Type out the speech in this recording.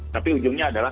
tapi ujungnya adalah